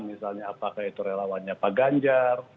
misalnya apakah itu relawannya pak ganjar